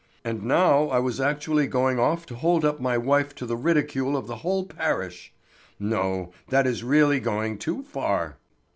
And now I was actually going off to hold up my wife to the ridicule of the whole parish! No, that is really going too far!"